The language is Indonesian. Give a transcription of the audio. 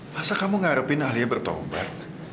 masa kamu ngarepin alia bertobat